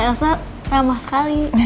terima kasih mbak mbak elsa ramah sekali